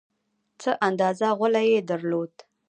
څه اندازه غولی یې درلود.